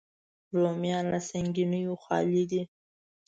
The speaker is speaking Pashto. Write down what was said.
رومیان له سنګینیو خالي دي